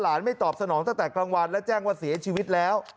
ไม่ตอบสนองตั้งแต่กลางวันและแจ้งว่าเสียชีวิตแล้ว